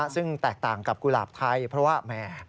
ซึ่งแตกต่างกับกุหลาบไทยเพราะว่าแหม